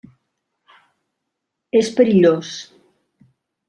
És perillós.